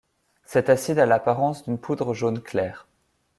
Cet acide a l'apparence d'une poudre jaune clair.